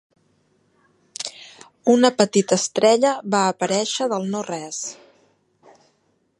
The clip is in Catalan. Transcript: Una petita estrella va aparèixer del no-res.